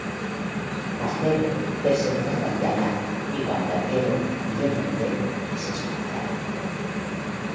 Mas Pedro perseveraba en llamar: y cuando abrieron, viéronle, y se espantaron.